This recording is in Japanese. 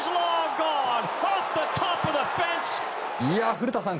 古田さん